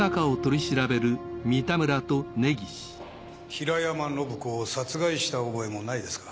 平山信子を殺害した覚えもないですか？